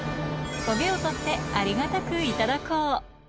焦げを取ってありがたくいただこう